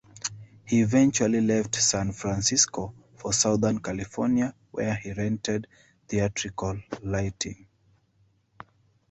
He eventually left San Francisco for southern California, where he rented theatrical lighting.